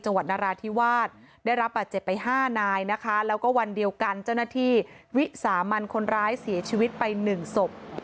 ราธิวาสได้รับบาดเจ็บไปห้านายนะคะแล้วก็วันเดียวกันเจ้าหน้าที่วิสามันคนร้ายเสียชีวิตไปหนึ่งศพ